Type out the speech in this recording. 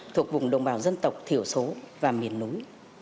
thuộc vùng đồng bào dân tộc thiểu số và miền núi